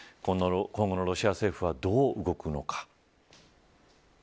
今後のロシア政府はどう動くのか。